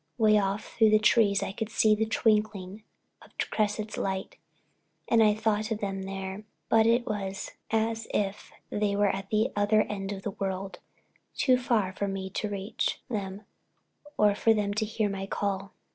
Way off through the trees I could see the twinkle of Cresset's lights and I thought of them there; but it was as if they were at the other end of the world, too far for me to reach them or for them to hear my call.